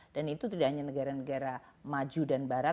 dan itu tidak hanya negara negara maju dan barat